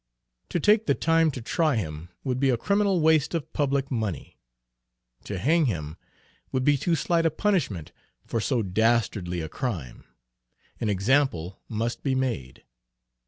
To take the time to try him would be a criminal waste of public money. To hang him would be too slight a punishment for so dastardly a crime. An example must be made.